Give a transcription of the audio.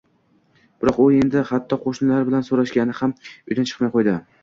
Biroq u endi hatto qo`shnilar bilan so`rashgani ham uydan chiqmay qo`ydi